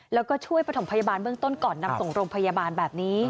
แล้วก็ช่วยประถมพยาบาลเบื้องต้นก่อนนำส่งโรงพยาบาลแบบนี้